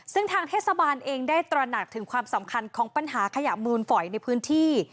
ซึ่งทางเทศบาลเองได้ตระหนักถึงความสำคัญของปัญหาขยะมูลฝอยในพื้นที่